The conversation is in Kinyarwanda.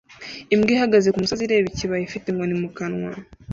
Imbwa ihagaze kumusozi ireba ikibaya ifite inkoni mu kanwa